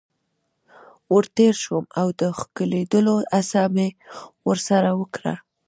ور تیر شوم او د ښکلېدلو هڅه مې ورسره وکړه.